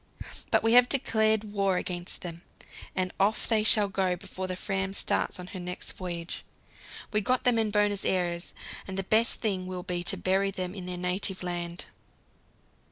But we have declared war against them, and off they shall go before the Fram starts on her next voyage. We got them in Buenos Aires, and the best thing will be to bury them in their native land.